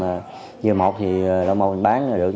rồi dưa một thì lâu mâu mình bán là được